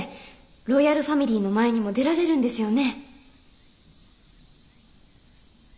ロイヤルファミリーの前にも出られるんですよね。